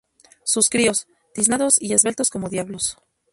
sus críos, tiznados y esbeltos como diablos